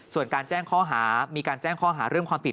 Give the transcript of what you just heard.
ส่วนการแจ้งข้อหามีการแจ้งข้อหาเรื่องความผิด